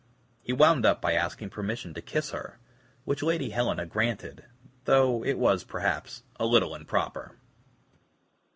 He wound up by asking permission to kiss her, which Lady Helena granted, though it was, perhaps, a little improper.